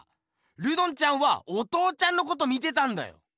ルドンちゃんはお父ちゃんのこと見てたんだよ！